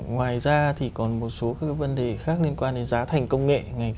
ngoài ra thì còn một số các vấn đề khác liên quan đến giá thành công nghệ